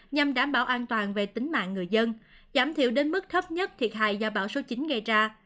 nhằm đảm bảo an toàn về tính mạng người dân giảm thiểu đến mức thấp nhất thiệt hại do bão số chín gây ra